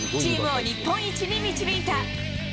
チームを日本一に導いた。